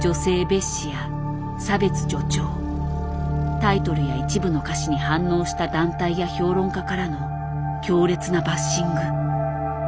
タイトルや一部の歌詞に反応した団体や評論家からの強烈なバッシング。